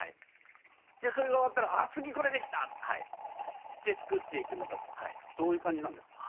でそれが終わったらあ次これ出来た！って作っていくのかどういう感じなんですか？